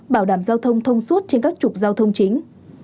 bảo đảm giao thông thông suốt trên các trục giao thông chính